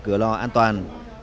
cửa lò an toàn